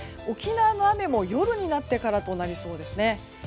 沖縄の雨も夜になってからとなりそうですね。